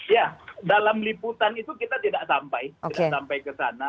ya dalam liputan itu kita tidak sampai